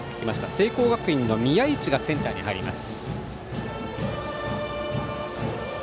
聖光学院の宮一がセンターに入ります。